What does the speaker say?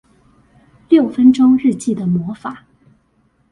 六分鐘日記的魔法